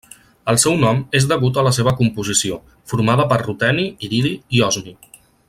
El seu nom és degut a la seva composició, formada per ruteni, iridi i osmi.